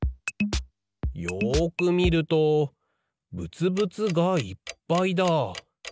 よくみるとぶつぶつがいっぱいだ。